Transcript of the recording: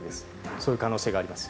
そういう可能性があります。